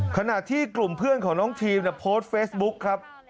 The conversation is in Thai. ขณะที่กลุ่มเพื่อนของน้องทีมโพสต์เฟซบุ๊คครับ